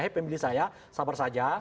pemilih saya sabar saja